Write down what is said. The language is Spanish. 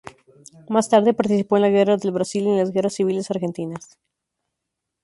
Más tarde participó en la Guerra del Brasil y en las guerras civiles argentinas.